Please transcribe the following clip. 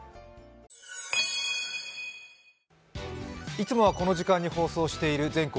いつもはこの時間に放送している「全国！